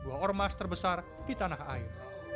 sebuah ormas terbesar di tanah air